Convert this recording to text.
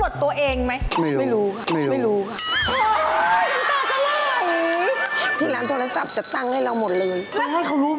ได้ของกลับไปแล้วด้วยนะครับ